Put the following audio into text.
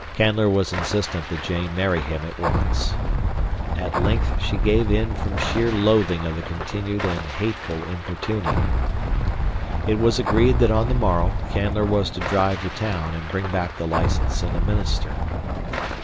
Canler was insistent that Jane marry him at once. At length she gave in from sheer loathing of the continued and hateful importuning. It was agreed that on the morrow Canler was to drive to town and bring back the license and a minister.